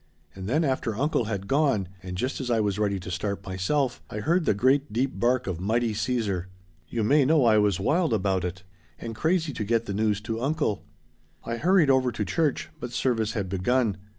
And then after uncle had gone, and just as I was ready to start myself, I heard the great deep bark of mighty Caesar! You may know I was wild about it and crazy to get the news to uncle. I hurried over to church, but service had begun.